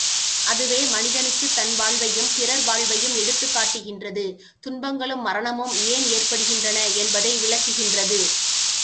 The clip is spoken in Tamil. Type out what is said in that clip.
அதுவே மனிதனுக்குத் தன் வாழ்வையும், பிறர் வாழ்வையும் எடுத்துக் காட்டுகின்றது துன்பங்களும் மரணமும் ஏன் ஏற்படுகின்றன என்பதை விளக்குகின்றது.